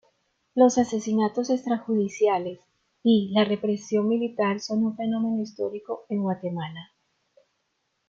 Los asesinatos extrajudiciales y la represión militar son un fenómeno histórico en Guatemala.